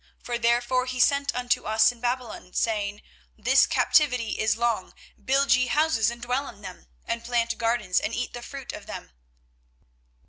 24:029:028 For therefore he sent unto us in Babylon, saying, This captivity is long: build ye houses, and dwell in them; and plant gardens, and eat the fruit of them.